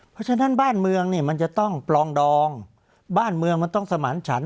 เพราะฉะนั้นบ้านเมืองเนี่ยมันจะต้องปลองดองบ้านเมืองมันต้องสมานฉัน